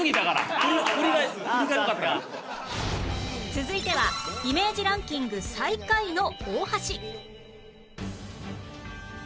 続いてはイメージランキング最下位の大橋